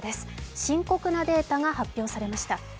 深刻なデータが発表されました。